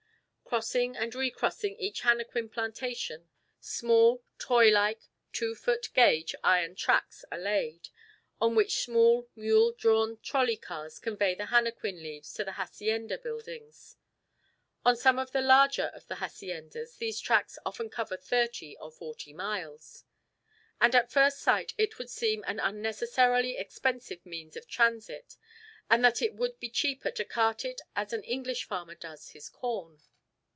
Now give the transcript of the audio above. Crossing and recrossing each henequen plantation, small toy like two foot gauge iron tracks are laid, on which small mule drawn trolley cars convey the henequen leaves to the hacienda buildings. On some of the larger of the haciendas these tracks often cover thirty or forty miles, and at first sight it would seem an unnecessarily expensive means of transit, and that it would be cheaper to cart it as an English farmer does his corn.